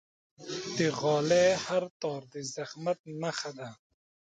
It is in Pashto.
د غالۍ هر تار د زحمت نخښه ده.